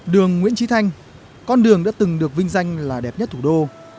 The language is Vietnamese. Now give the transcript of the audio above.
đường nguyễn trí thanh con đường đã từng được vinh danh là đẹp nhất thủ đô